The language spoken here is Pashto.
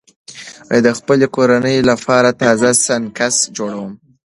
زه د خپلې کورنۍ لپاره تازه سنکس جوړوم.